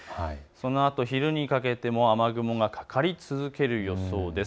そのあとお昼にかけても雨雲がかかり続ける予想です。